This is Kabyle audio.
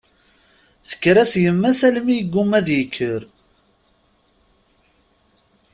Tekker-as yemma-s almi yeggumma ad ikker.